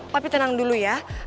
papi tenang dulu ya